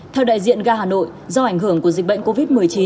theo đại diện ga hà nội do ảnh hưởng của dịch bệnh covid một mươi chín